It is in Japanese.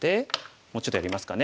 もうちょっとやりますかね。